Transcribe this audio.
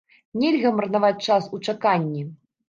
Нельга марнаваць час у чаканні!